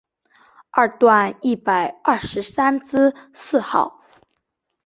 二段一百二十三之四号